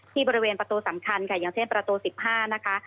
บริเวณประตูสำคัญค่ะอย่างเช่นประตู๑๕นะคะ